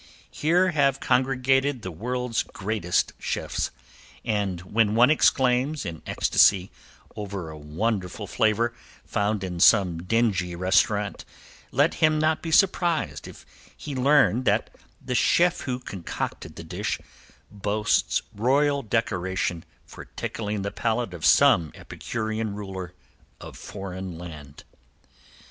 Here have congregated the world's greatest chefs, and when one exclaims in ecstasy over a wonderful flavor found in some dingy restaurant, let him not be surprised if he learn that the chef who concocted the dish boasts royal decoration for tickling the palate of some epicurean ruler of foreign land.